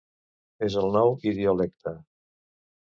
És el nou idiolecte.